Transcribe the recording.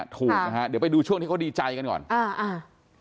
ถูกนะฮะเดี๋ยวไปดูช่วงที่เขาดีใจกันก่อนอ่าอ่า